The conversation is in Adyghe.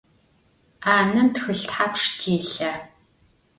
'anem txılh thapşş têlha?